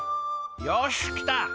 よしきた！